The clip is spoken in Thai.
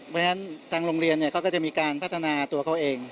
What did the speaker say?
เพราะฉะนั้นทางโรงเรียนเขาก็จะมีการพัฒนาตัวเขาเอง